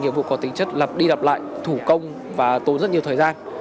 những vụ có tính chất lập đi lập lại thủ công và tốn rất nhiều thời gian